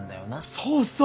そうそう。